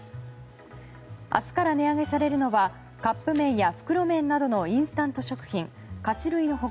明日から値上げされるのはカップ麺や袋麺などのインスタント食品、菓子類の他